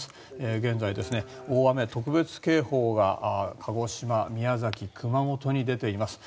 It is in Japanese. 現在、大雨特別警報が鹿児島、宮崎、熊本に出ています。